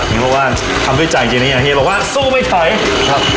เพราะว่าทำด้วยใจจริงเนี่ยเฮียบอกว่าสู้ไม่ถอยครับ